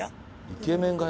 イケメンが？